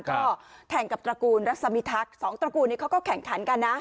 ก็แข่งกับตระกูลรัศมิทักษ์สองตระกูลนี้เขาก็แข่งขันกันนะ